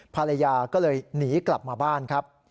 ภรรยาก็เลยหนีกลับมาบ้านครับ